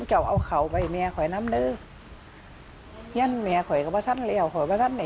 ก็ออกไปทางไทยก็คือ